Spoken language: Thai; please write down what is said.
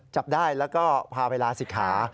จับได้แล้วก็พาไปลาศิกขา